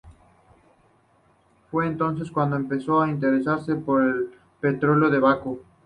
Fue entonces cuando empezó a interesarse por el petróleo de Bakú.